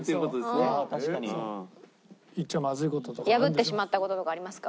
破ってしまった事とかありますか？